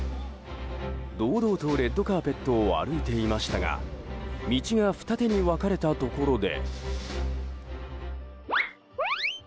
堂々とレッドカーペットを歩いていましたが道が二手に分かれたところで。